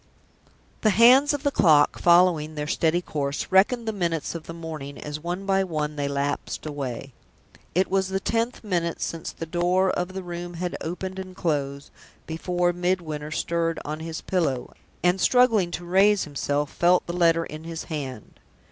The hands of the clock, following their steady course, reckoned the minutes of the morning as one by one they lapsed away. It was the tenth minute since the door of the room had opened and closed, before Midwinter stirred on his pillow, and, struggling to raise himself, felt the letter in his hand.